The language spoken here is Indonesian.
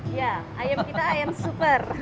iya ayam kita ayam super